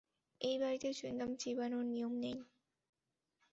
এই বাড়িতে চুইংগাম চিবানোর নিয়ম নেই।